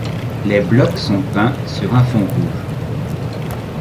Les blocs sont peints sur un fond rouge.